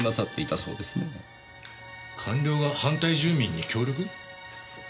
官僚が反対住民に協力？